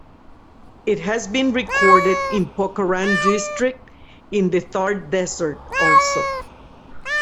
It has been recorded in Pokaran district in the Thar desert also.